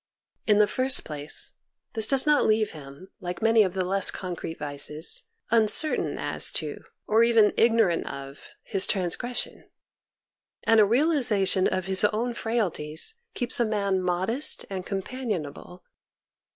In the first place, this does not leave him, like many of the less concrete vices, uncertain as to, or even ignorant of, his transgression ; and a realization of his own frailties keeps a man modest and companionable.